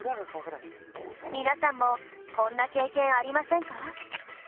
皆さんもこんな経験ありませんか？